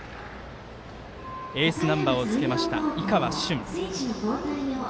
エースナンバーをつけた、井川駿。